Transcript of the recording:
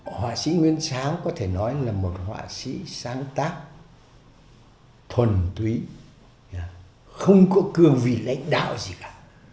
họa sĩ nguyên sáng có thể nói là một họa sĩ sáng tác thuần túy không có cương vị lãnh đạo gì cả